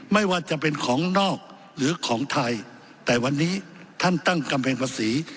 ไม่ว่าจะเป็นของนอกหรือของไทยแต่วันนี้ท่านตั้งกำแพงภาษี